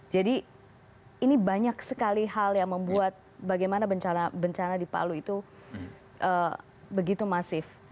jadi ini banyak sekali hal yang membuat bagaimana bencana di palu itu begitu masif